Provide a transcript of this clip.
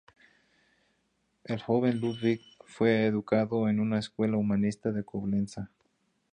El joven Ludwig fue educado en una escuela humanista de Coblenza.